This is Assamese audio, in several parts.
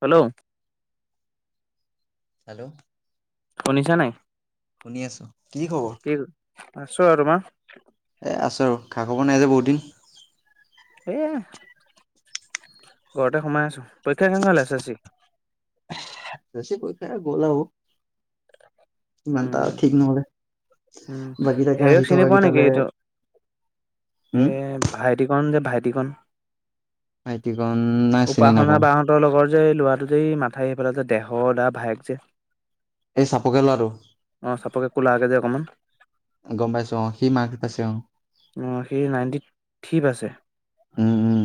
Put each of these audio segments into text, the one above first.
হেল্ল'। হেল্ল'। শুনিছা নাই? শুনি আছো। কি খবৰ? আছো আৰু। তোমাৰ? এই আছো আৰু। খা-খবৰ নাই যে বহুত দিন? এয়া, ঘৰতে সোমাই আছো। পৰীক্ষা কনে হ'ল এচ এচ চি? বেছি পইক্ষা গ'ল আৰু, ইমানটা উম ঠিক ন'হলে। উম, বাকী তাকে আহি হেৰিয়ক চিনি থকা পোৱা নেকি কেইটালে এইটো উম এ ভাইটি কন যে, ভাইটি কন। ভাইটিকণ নাই চিনি উপাসনা নাপাওঁ বাহঁতৰ লগৰ যে ল'ৰাটো যে মাথাই এইফেলে যে দেহ দা ভায়েক যে এই চাপৰকে ল'ৰাটো। অ', চপা ক লাহ কে অকণমান। গম পাইছো অ সি মাৰ্ক পাইছে অ সি নাইনটি থিত আছে উম, উম।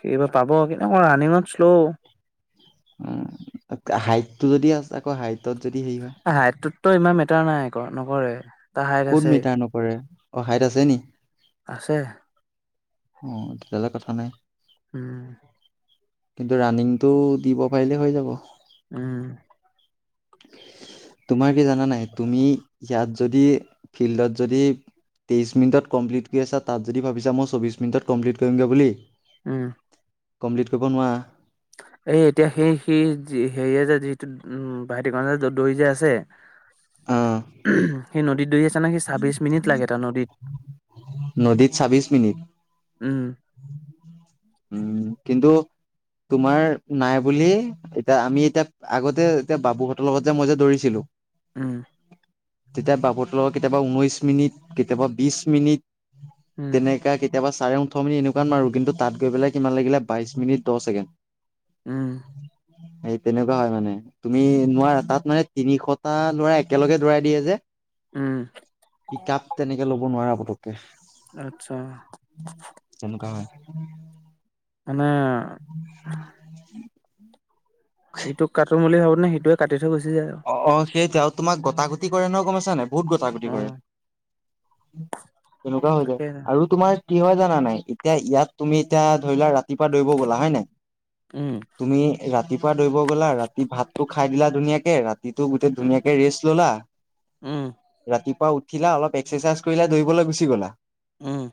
সবাৰ পাব কিনেক ৰানিঙত শ্ল' অ', হাইট টো যদি আছে আকৌ হাইট হাইটটোতো ইমান মেটাৰ নাই নকৰে। তাৰ হাইট ক'ত আছে মিটাৰ নপৰে অ', হাইট আছে নি? আছে। অয়া কথা নাই। উম। কিন্তু ৰাণিংটো দিব পাৰিলে হৈ যাব। উম। তোমাৰ কি জানা নাই তুমি ইয়াত যদি ফিল্ডত যদি তেইছ মিনিটত কমপ্লিট কৰি আছা তাত যদি ভাবিছা মই চৌবিছ মিনিটত কম্লিট কৰিমগৈ বুলি। উম। কমপ্লিট কৰিব নোৱাৰা। এই এতিয়া সেই, সেই হেৰি যে যিটো উ ভাইটিকণ যে, যে দৌৰি যে আছে আহ সি নদীত দুৰি আছে নহয় সি ছাব্বিশ মিনিট লাগে তাৰ নদীত নদীত চাবিছ মিনিট উম। উম, কিন্তু তোমাৰ নাই বুলি এতিয়া, আমি এতিয়া আগতে এতিয়া বাবুহঁতৰ লগত যে মই যে দৌৰিছিলো। উম তেতিয়া বাপৰতলৰ কেতিয়াবা ঊনৈশ মিনিট, কেতিয়াবা বিশ মিনিট উম তেনেকা কেতিয়াবা চাৰে ওঠৰ মিনিট এনেকুৱা আৰু কিন্তু তাত গৈ পেলাই কিমান লাগিলে বাইশ মিনিট দহ ছেকেণ্ড। উম এই তেনেকুৱা হয় মানে তুমি নোৱাৰা তাত মানে তিনিশটা ল'ৰা একেলগে দৌৰাই দিয়ে যে। উম কাপ তেনেকে ল'ব নোৱাৰা। পতককে আচ্ছা তেনেকুৱা হয় নেকি? মানে [inaudible] ইটোক কাটোম বুলি ভাবো নে সিটোৱে কাটিছো। অ', অ', সেইটো আৰু তোমাক গটা, গটি কৰে নহয় গম আছ নাই বহুত গটা, গটি অ কৰে। তেনেকুৱা হৈ যায় তাকে আৰু তোমাৰ কি হয় জানা নাই এতিয়া ইয়াত তুমি এতিয়া ধৰি লোৱা ৰা ৰাতিপা দৌৰিব গ'লা হয় ন উম তুমি ৰাতি পুৱা দৌৰিব গলা, ৰাতি ভাতটো খাই দিলা ধুনীয়াকে ৰাতি ৰাতিটো গোটেই উম ধুনীয়াকে ৰেষ্ট ললা, উম ৰাতিপুৱা উঠ থিলা অলপ এক্সাৰচাইজ কৰিলে দৌৰিবলৈ গুচি গ'লা। উম'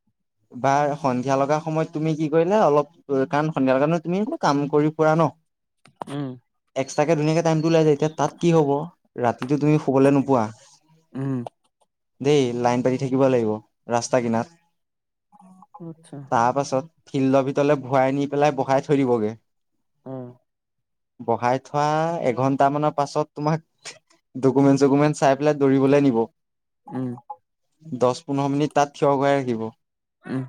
[inaudible] বাৰ সন্ধিয়া লগা সময়ত তুমি কি কৰিলে অলপ কাৰণ সন্ধিয়া লগা তুমি একো কাম কৰি পৰা ন। উম', এক্সট্ৰাক কে ধুনীয়াকে টাইমটো ওলাই যায় এতিয়া তাত কি হ'ব যিটো তুমি শুবলৈ নোপোৱা উম দেই লাইন পাতি থাকিব লাগিব, ৰাস্তা কিনাৰত। আচ্ছা তাৰ পাছত ফিল্ডৰ ভিতৰলৈ ভৰাই নি পেলাই বহাই থৈ দিবগে। অ বহাই থোৱা এক ঘন্টামানৰ পাছত তোমাক ডকুমেণ্ট চকুমেন্ট চাই পেলাই দৌৰিবলৈ নিব। উম', দহ পোন্ধৰ মিনিট তাত থিয় কৰাই ৰাখিব। উম',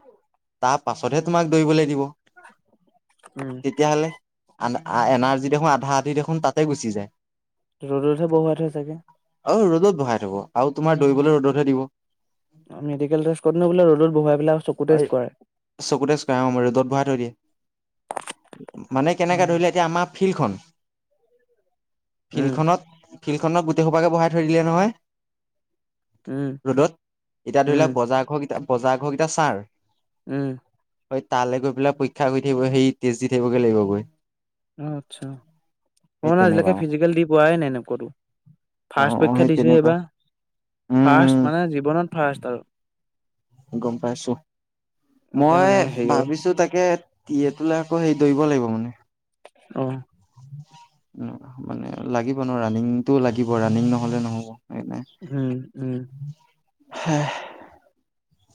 তাৰ পাছতহে তোমাক দৌৰিবলৈ দিব, উম তেতিয়াহলে আনা এনাৰ্জি দেখোন আধা- আধি দেখোন তাতে গুচি যায়। ৰ'দতহে বহুৱাই থয় চাগে। ক'ত বহাই থব? আৰু তোমাক দৌৰিবলৈ ৰ'দতহে দিব। মেডিকেল টেষ্ট কৰোতে নে বোলে ৰ'দত বহুৱাই পেলাই আৰু চকু টেষ্ট কৰে [unintelligible] চকুতে [unintelligible] আৰু ৰ'দত বহাই থৈ দিয়ে। মানে কেনেকে উম ধৰিলে এতিয়া আমাক ফিল্ডখন উম ফিল্ডখনত ফিল্ডখনক গোটেই সোপাকে বহাই থৈ দিলে নহয় উম ৰ'দত এতিয়া ধৰি উম লোৱাক বজাৰঘৰ কেইটা, বজাৰঘৰকেইটা ছাৰ উম। হয় তালৈ গৈ পেলাই পৰীক্ষা কৰি থাকিব সেই টেষ্ট দি থাকিবগৈ লাগিব গৈ। অ', আচ্ছা, মই সেই মানে তেনেকুৱা আজিলৈকে ফিজিকেল দি পোৱাই নাই এনে ক'তো। অ ফাৰ্ষ্ট অ পৰীক্ষা সেই দিছোহে তেনেকুৱা এইবাৰ উম ফাৰ্ষ্ট মানে জীৱনত ফাৰ্ষ্ট আৰু। গম পাইছো, একে মই মানে হেৰিয়ৰ ভাবিছো তাকে তিয়ে তোলে আকৌ হেৰি দৌৰিব লাগিব মানে। অ'। মানে লাগিব ন' ৰানিংটো লাগিব ৰানিং নহ'লে নহ'ব। হয়নে? উম উম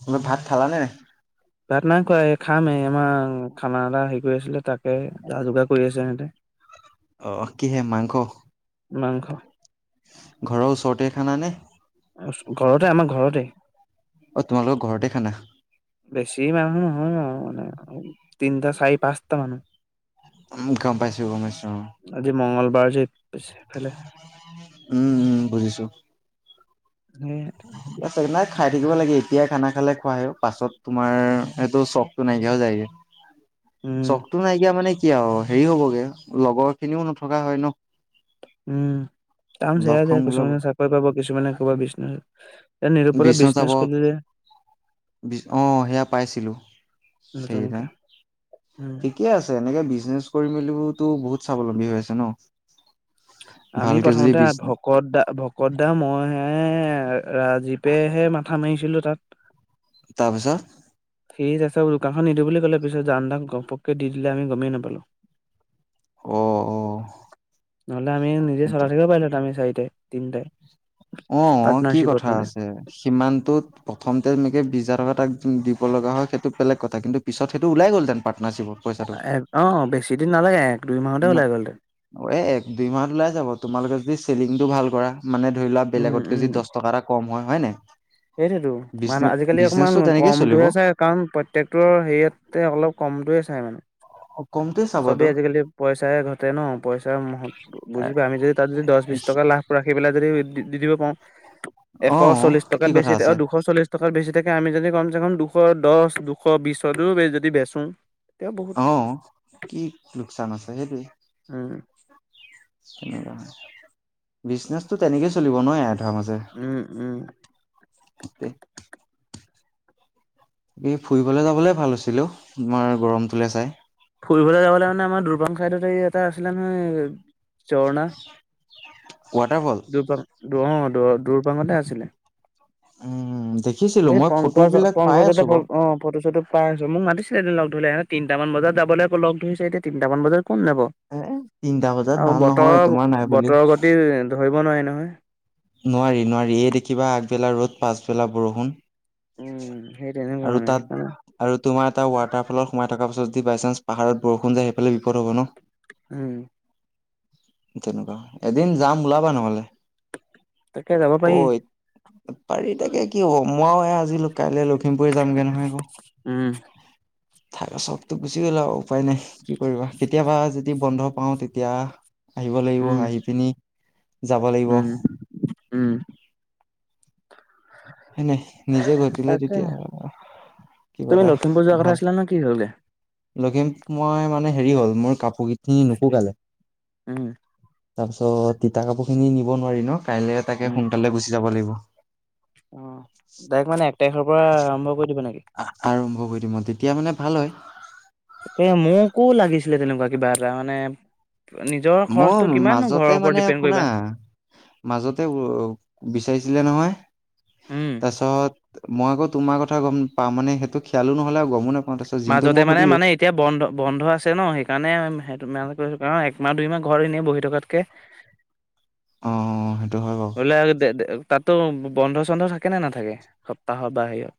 তুমি ভাত খালা নে? ভাত নাই খোৱা এ খামহে এম খানা এটা হেৰি কৰি আছিলে তাকে যা যোগাৰ কৰি আছে সিহঁতে। অ', কিহে? মাংস। মাংস। ঘৰৰ ওচৰতেই খানা নে। ঘৰতে আমাৰ ঘৰতেই। অ' তোমালোকৰ ঘৰতে খানা। বেছি মানুহ নহয় আৰু মানে, তিনিটা, চাৰি, পাঁচটা মানুহ। গম পাইছোঁ-গম পাইছোঁ অ'। বাৰ [unintelligible] উম- উম বুজিছো। ঠিক আছে উম্। নাই খাই থাকিব লাগে এতিয়াই খানা খালে খোৱা হয়, পাছত তোমাৰ সেইটো চখটো নাইকিয়া হৈ যায়গে। উম চখটো নাইকিয়া মানে কি আৰু হেৰি হ'বগে লগৰ খিনিও নথকা হয় ন। উম, টাৰ্মচ লগ হেৰাই খং যায় বোলা কিছুমানে চাকৰি পাব, কিছুমানে ক'বা বিজনেচ বিচন চাব। অ' সেয়া পাইছিলো সেইদিনা। নতুনকে উম ঠিকে আছে, এনেকে বিজনেছ কৰি মেলিওতো বহুত স্বাৱলম্বী হৈ আছে ন। আমি ভালকে যদি প্ৰথমতে বিজ ভকত দা- ভকত দা মই হে ৰাজীৱেহে মাথা মাৰিছিলো তাত। তাৰপিছত। সি তাতে দোকানখন নিদিওঁ বুলি ক'লে পিছত জান দাক ঘপককে দি দিলে আমি গমেই নাপালোঁ। অ অ নহ'লে আমি নিজে চলাই এইটো থাকিব পাৰিলো হেতেন আমি চাৰিটাই, তিনটাই। অ' কি কথা আছে সিমানটোত প্ৰথমতে এনেকে বিছ হাজাৰ টকাত দিব লগা হয় সেইটো বেলেগ কথা কিন্তু পিছত সেটো ওলাই গ'লহতেন পা এ অ' বেছি দিন নালাগে এক দুই মাহতে না ওলাই গ'লহেতেন। এ এক দুই মাহত ওলাই যাব তোমালোকে যদি চেলিং টো ভাল কৰা মানে ধৰি লোৱা উম বেলেগতকে যদি দছ টকা এটা কম হয়। হয় নাই। সেইটোতো বিজনে মানুহ আজিকালি অকমান বিজনেচটো তেনেকেই চলিব কমটোহে চাই কাৰণ প্ৰত্যেকটোৰ হেৰিয়তে অলপ কমটোয়ে চাই মানে। অ কমটোৱে চাবতো চবেই আজিকালি পইচাই ঘটে ন, পইচাৰ মহ বুজি পাই আমি যদি তাত যদি দছ বিছ টকা লাভ কৰা সেইবিলাক যদি দি দিব পাৰো এশ অ চল্লিশ কি টকাত কথা বেছি আছে দুশ চল্লিছ টকাত বেছি আমি যদি কমচে কম দুশ দছ দুশ বিছতো যদি বেচো তেতিয়া বহুত অ', কি লোকচান আছে সেইটোৱে। উম। এনেকুৱাই, বিজনেচটো তেনেকেই চলিব ন ইয়াত। মাজে উম উম [unintelligible] এ ফুৰিবলে যাবলে ভাল হৈছিলে অ' তোমাৰ গৰমটোলে চাই। ফুৰিবলৈ যাবলৈ মানে আমাৰ দুৰবাং চাইডত এই এটা আছিলে নহয় ঝৰ্ণা। ৱাটাৰফল। দুৰপাং অ' দ দূৰ দুৰপাঙতে আছিলে। উম দেখ এই পংকজ পংকজহঁতে অ' ফটো চটো পাই আছো মোক মাতিছে এ ইহঁতে লগ ধৰিলে তিনিটা মান বজাত যাবলৈ আকৌ লগ ধৰিছে এতিয়া তিনিটা মান বজাত কোন যাব এ তিনটা বজাত আৰু ভাল নহয় তোমাৰ নাই বুলি বতৰৰ-বতৰৰ গতি ধৰিব নোৱাৰি ন হয়। নোৱাৰি- নোৱাৰি এই দেখিবা আগবেলা ৰ'দ পাছবেলা বৰষুণ। উম সেই তেনেকুৱা আৰু মানে তাত সেইকাৰণে আৰু তোমাৰ এটা ৱাটাৰফলত সোমাই থকা পিছত যদি বাই চান্স পাহাৰত বৰষুণ দিয়ে সেইফালে বিপদ হ'ব ন। উম। তেনেকুৱা, এদিন যাম ওলাবা নহ'লে। তাকে যাব অ পাৰি। পাৰি তাকে কি হ'ব মই এইয়া আজি ল কাইলে লখিমপুৰে যামগে নহয় আকৌ। উম। থাকা চবতো গুচি গ'ল আৰু উপায় নাই কি কৰিবা কেতিয়াবা যদি বন্ধ পাও তেতিয়া আহিব লাগিব উম, আহি পিনি যাব লাগিব। উম, উম, হয় নাই নিজে ঘটিলে তাকে তেতিয়া। কিবা তুমি এটা লখিমপুৰ যোৱা কথা ভাল আছিলা ন কি হ'ল গে। লখিম মই মানে হেৰি হ'ল মোৰ কাপোৰ কেইখিনি নুশুকালে। উম, তাৰ পিছত তিতা কাপোৰ খিনি নিব নোৱাৰি ন কাইলৈ তাকে সোনকালে গুচি যাব লাগিব। অহ, ডাইৰেক্ট মানে এক তাৰিখৰ পৰা আৰম্ভ কৰি দিবা নেকি? আৰম্ভ কৰি দিম মই তেতিয়া মানে ভাল হয়। এ মোকো লাগিছিলে তেনেকুৱা কিবা এটা মানে নিজৰ মই খৰচটো কিমাননো মাজতে ঘৰৰ ওপৰত মানে ডিপেণ্ড শুনা। কৰিবা। মাজতে ও বিচাৰিছিলে নহয় উম। তাৰপিছত মই আকৌ তোমাৰ কথা গম নাপাওঁ মানে সেইটো খেয়ালো নহ'লে। গমো নাপাওঁ তাৰপিছত জিন্তুক মাজতে মই মানে সুধিলো মানে এতিয়া বন্ধ - বন্ধ আছে ন সেইকাৰণে সে তোমালোকৰ একমাহ দুই মাহ ঘৰত এনেই বহি থকাত কে অহ - অহ সেইটো হয় বাৰু হ'লে তে - তে তাত তো বন্ধ চন্ধ থাকে নে নাথাকে সপ্তাহত বা হেৰিহত।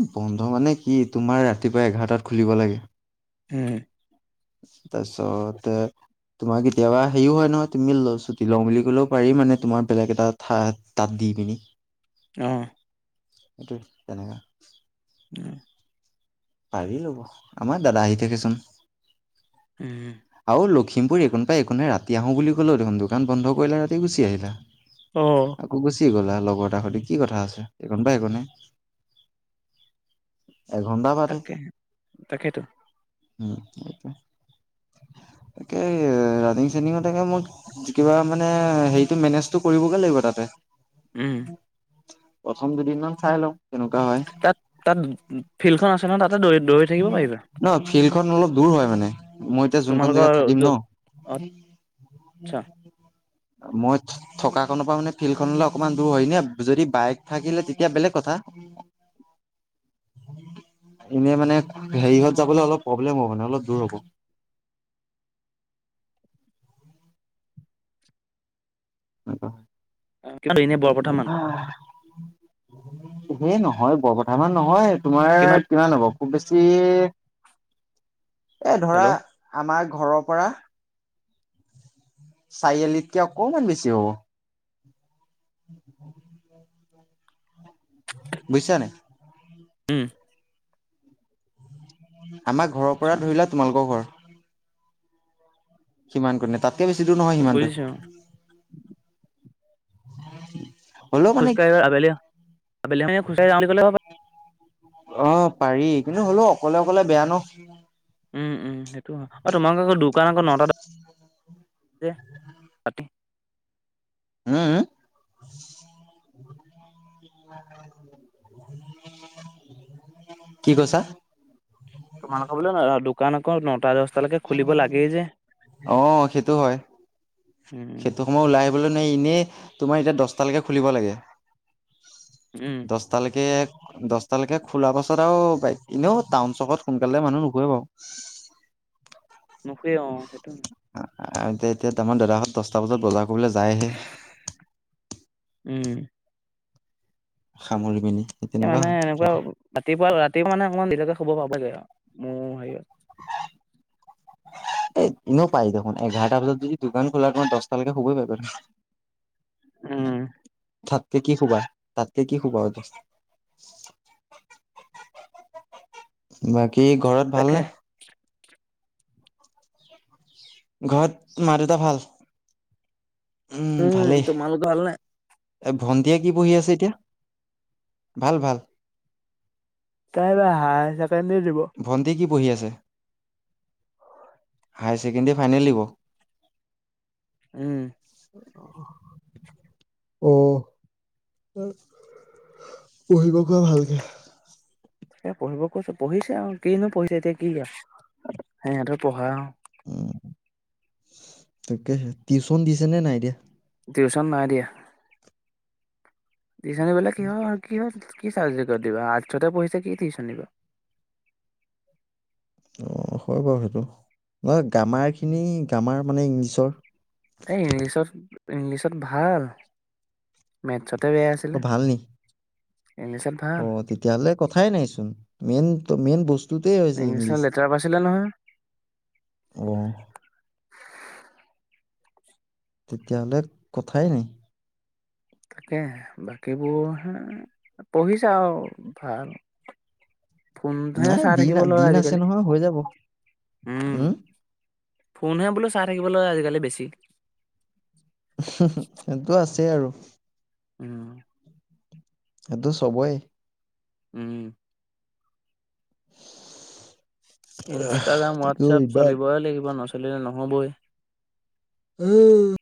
এহ বন্ধ মানে কি তোমাৰ ৰাতিপুৱা এঘাৰটাত খুলিব লাগে। উম, তাৰপিছতে তোমাৰ কেতিয়াবা হেৰিও হয় নহয় তুমি ছুটি লও বুলি ক'লেও পাৰি মানে তোমাৰ বেলেগ এটা তাত দি দি কিনি। অহ', সেইটোৱে তেনেকা। অহ', পাৰি ল'ব আমাৰ দাদা আহি থাকেচোন। উম, আৰু লখিমপুৰ এইকোন পৰা এইকোন হে ৰাতি আহো বুলি কলেওঁ দেখোন দোকান বন্ধ কৰিলে ৰাতি গুচি আহিলা। অ', আকৌ গুচি গ'লা। লগৰ এটা সৈতে কি কথা আছে এইকোনৰ পৰা সেইকোন হে। তাকে, তাকেইতো। উম, এইটোৱে। তাকে ৰানিং চানিংত একে মোক কিবা মানে হেৰিটো মেনেজটো কৰিবগে লাগিব তাতে উম, প্ৰথম দুদিনমান চাই লও। তাত - তাত ফিল্ড খন আছে ন তাতে দৌৰি দৌৰি থাকিব পাৰিবা ন ফিল্ড খন অলপ দূৰ হয় মানে। মই এতিয়া যোনখন তোমালোকৰ জেগাত থাকিম য'ত ন। আচ্ছা মই থকা নৰ পৰা মানে ফিল্ডখনলে অকমান দূৰ হয় নে যদি বাইক থাকিলে তেতিয়া বেলেগ কথা। এনেই মানে হেৰি ঘৰত যাবলৈ অলপ প্ৰব্লেম হ'ব মানে অলপ দূৰ হ'ব। অ', নে বৰপথামান উ [inaudible] সেই নহয় বৰপথাৰ মান নহয় তোমাৰ কিমান হব খুব বেছি এ ধৰা হেল্ল' আমাৰ ঘৰৰ পৰা চাৰিআলিতকে অকমান বেছি হ'ব। উম, বুইছানে নাই? উম। আমাৰ ঘৰৰ পৰা আচ্ছা ধৰি লোৱা তোমালোকৰ ঘৰ। সিমান কনে, তাতকে বেছি দূৰ নহয় সিমানটো। বুজিছো হ'লেও মানে খোজকাঢ়িবা আবেলি। আবেলি খোজকাঢ়ি যা বুলি গ'লে হ'ব অ', পাৰি কিন্তু হ'লেও অকলে অকলে বেয়া ন। উম, উম, সেইটো হয়। অ', তোমালোকৰ ঘৰত দো দোকানক [unintelligible] হম, হম? কি কৈছা? তোমালোকৰ বোলে দোকান আকৌ নটা-দহ অ', সেইটো হয়। উম সেইটো সময় ওলাই আ এনে তোমাৰ এতিয়া দাহটালৈকে খুলিব লাগে। উম দহটালৈকে, দছটালৈকে খোলা পাছত এনেও টাউন চকত সোনকালে মানুহ নোহোৱা বাৰু। নোহোৱা অ'। সেইটো এতিয়া, এতিয়া তমাৰ দাদাহঁত দচটা বজাত বজাৰ কৰিবলৈ জাইহে। উম। সামৰি পিনি এ তেনেকুৱা মানে হয় এনেকুৱা কথাটো ৰাতিপুৱা ৰাতি মানে অকমন দেৰি লৈকে শুব পাব লগে ম হেৰি এই ইনেও পায় দেখোন। এঘাৰটা বজত যদি দোকান খোলাৰ পাওঁ দহটাালৈকে শুব পাৰিব দেখোন উম। তাতকে কি শুবা, তাতকে কি শুবা আৰু। বাকী ঘৰত তাকে ভালনে? ঘৰত মাৰ, দেতা ভাল? উম তোমাল ভাল নাই? এ ভণ্টিয় কি বহি আছে এতিয়া? উম, ভাল ভাল। তাই এইবাৰ হায়ৰ ছেকেণ্ডৰি দিব। পহি আছে। হায়াৰ ছেকেণ্ডেৰী ফাইনেল দিব। উম। অহ '। পঢ়িব কোৱা ভালকে। তাকে পঢ়িব কৈছো পঢ়িছে আৰু। কিনো পঢ়িছে এতিয়া কি আৰু সিহঁতৰ পঢ়া আৰু তাকেহে। টিউচন দিছে নে নাই এতিয়া? টিউশচন নাই দিয়া। টিউচন দিবলৈ কি হয় আৰু কি হয় কি চাবজেক্টত দিবা। আৰ্টছহে পঢ়িছে কি টিউচন দিবা। অ হয় বাৰু সেইটো। নহয় গ্ৰামাৰ খিনি গ্ৰামাৰ মানে ইংলিছৰ এই ইংলিছত, ইংলিছত ভাল, মেথছত বেয়া অ আছিলে। ভাল নি ইংলিছত ভাল। অ' তেতিয়াহ'লে কথাই নাই চোন, মেইন, মেইন বস্তু তেই হৈছে ইংলিছত ইংলিছ, লেটাৰ পাইছিলে নহয় অ'। তেতিয়াহ'লে কথাই নাই। তাকে বাকীবোৰ, হে পঢ়িছে আৰু ভাল। ফোনটোহে নাই চাই দিন থাকিব লয় দিন আছে আজিকালি, নহয় হৈ যাব উম। ফোনহে বোলো চাই থাকিব লয়, আজিকালি বেছি। সেইটো আছেই আৰু। উম। সেইটো চবৰেই। উম, [inaudible] ইনষ্টাগ্ৰাম তাকেও হোৱাটছএপ ইমান চলিবই লাগিব নচলিলে নহ'বই। উম,